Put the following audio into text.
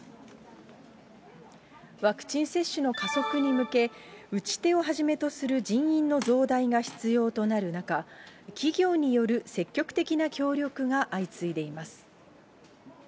ワクチン接種の加速に向け、打ち手をはじめとする人員の増大が必要となる中、企業による積極的な協力が相次いでいます。